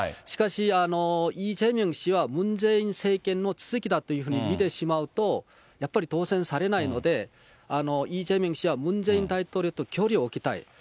しかし、イ・ジェミョン氏はムン・ジェイン政権のだというふうに見てしまうと、やっぱり当選されないので、イ・ジェミョン氏はムン・ジェイン大統領と距離を置きたい。